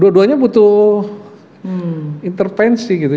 dua duanya butuh intervensi gitu